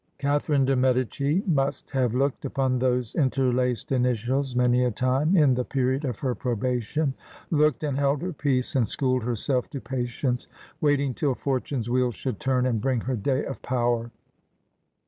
Catherine de Medicis must have looked upon those interlaced initials many a time in the period of her probation, looked, and held her peace, and schooled her self to patience, waiting till Fortune's wheel should turn and bring her day of power.